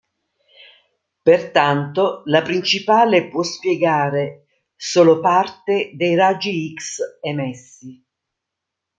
Pertanto la principale può spiegare solo parte dei raggi X emessi.